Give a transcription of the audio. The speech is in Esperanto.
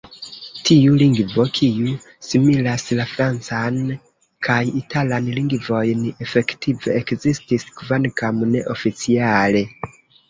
Tiu lingvo, kiu similas la francan kaj italan lingvojn, efektive ekzistis, kvankam ne oficiale.